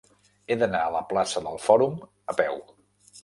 He d'anar a la plaça del Fòrum a peu.